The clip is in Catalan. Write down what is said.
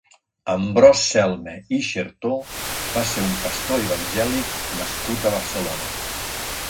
Ambròs Celma i Chertó va ser un pastor evangèlic nascut a Barcelona.